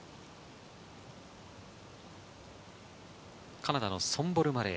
カナダのソンボル・マレー。